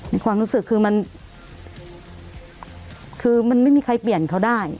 ความรู้สึกคือมันคือมันไม่มีใครเปลี่ยนเขาได้